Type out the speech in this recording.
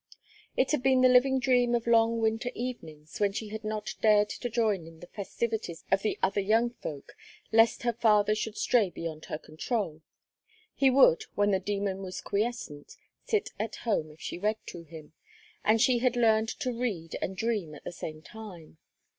It had been the living dream of long winter evenings, when she had not dared to join in the festivities of the other young folk lest her father should stray beyond her control; he would, when the demon was quiescent, sit at home if she read to him, and she had learned to read and dream at the same time.